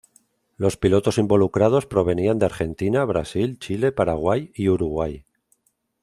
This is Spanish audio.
Los pilotos involucrados provenían de Argentina, Brasil, Chile, Paraguay y Uruguay.